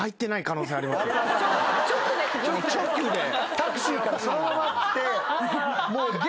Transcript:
タクシーからそのまま来て。